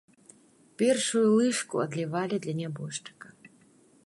Першую лыжку адлівалі для нябожчыка.